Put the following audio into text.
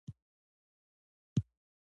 دا درد د اړیکې غوښتنه کوي.